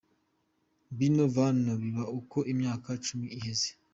"Bino vyama biba uko imyaka cumi iheze.